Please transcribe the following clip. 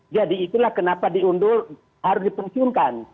jadi itulah kenapa diundur harus dipensiunkan